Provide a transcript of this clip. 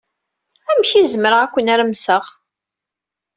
Amek ay zemreɣ ad k-nermseɣ.